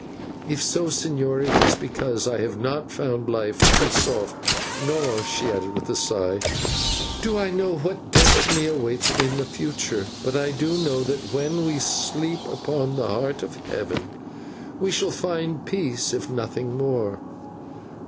"If so, señor, it is because I have not found life too soft, nor" she added with a sigh "do I know what destiny awaits me in the future; but I do know that when we sleep upon the Heart of Heaven, we shall find peace if nothing more."